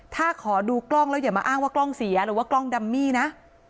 ถ้าขอดูกล้องแล้วอย่ามาอ้างว่ากล้องเสียหรือว่ากล้องดัมมี่นะ